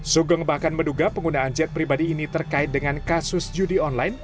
sugeng bahkan menduga penggunaan jet pribadi ini terkait dengan kasus judi online